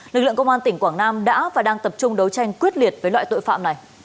lực lượng công an tỉnh quảng nam đã và đang tập trung đấu tranh quyết liệt với loại tội phạm này